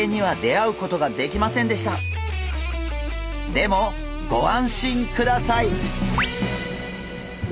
でもご安心ください！